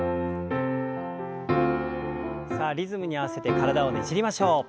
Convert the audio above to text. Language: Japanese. さあリズムに合わせて体をねじりましょう。